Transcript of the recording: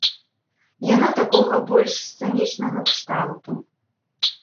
Яна такога больш сцэнічнага кшталту.